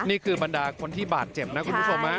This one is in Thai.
นี่คือบรรดาคนที่บาดเจ็บนะคุณผู้ชม